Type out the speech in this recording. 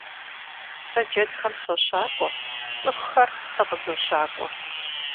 Сэ джэдхэм сощакӀуэ, цӀыхухэр сэ къызощакӀуэ.